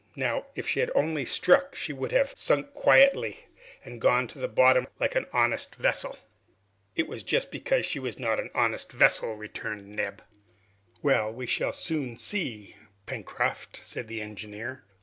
Now, if she had only struck, she would have sunk quietly and gone to the bottom like an honest vessel." "It was just because she was not an honest vessel!" returned Neb. "Well, we shall soon see, Pencroft," said the engineer.